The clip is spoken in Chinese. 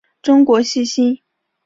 中国细辛